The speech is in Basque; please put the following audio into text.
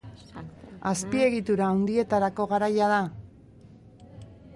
Azpiegitura handietarako garaia da?